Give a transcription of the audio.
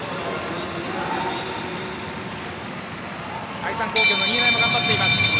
愛三工業の新家も頑張っています。